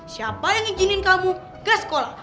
siapa yang izinin kamu ke sekolah